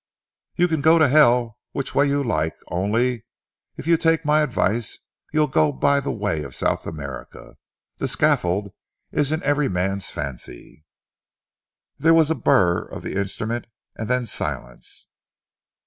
You can go to Hell which way you like, only, if you take my advice, you'll go by the way of South America. The scaffold isn't every man's fancy." There was a burr of the instrument and then silence.